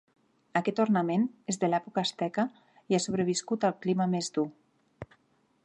Aquest ornament és de l'època asteca i ha sobreviscut al clima més dur.